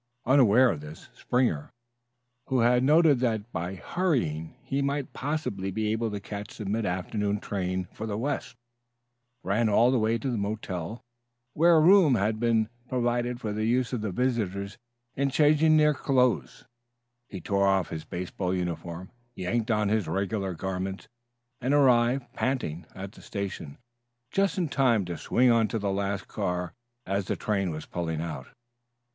Unaware of this, Springer, who had noted that by hurrying he might possibly be able to catch the mid afternoon train for the west, ran all the way to the hotel, where a room had been provided for the use of the visitors in changing their clothes, tore off his baseball suit, yanked on his regular garments, and arrived, panting, at the station just in time to swing onto the last car as the train was pulling out.